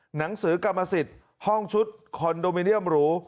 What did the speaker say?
หนังสือกรรมสิทธิ์ห้องชุดคอนโดมิเนียมหรู